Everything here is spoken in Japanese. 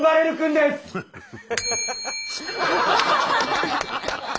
ハハハハ！